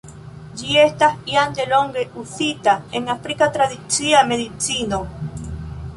Ĝi estas jam delonge uzita en afrika tradicia medicino.